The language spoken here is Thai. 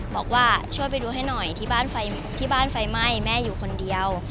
บอกว่าช่วยไปดูให้หน่อยที่บ้านไฟไหม้แม่อยู่คนเดียว